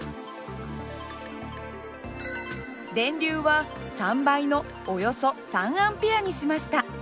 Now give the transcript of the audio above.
電流は３倍のおよそ３Ａにしました。